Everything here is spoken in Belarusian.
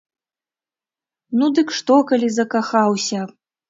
Ну, дык што, калі закахаўся?